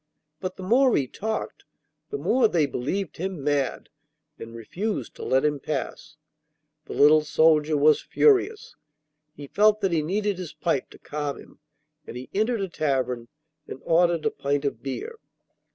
But the more he talked the more they believed him mad and refused to let him pass. The little soldier was furious. He felt that he needed his pipe to calm him, and he entered a tavern and ordered a pint of beer.